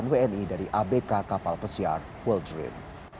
satu ratus delapan puluh delapan wni dari abk kapal pesiar world dream